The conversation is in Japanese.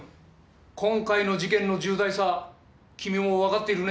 今回の事件の重大さ君もわかっているね？